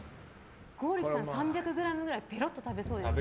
剛力さん、３００ｇぐらいペロッと食べそうですね。